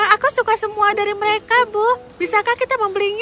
aku suka semua dari mereka bu bisakah kita membelinya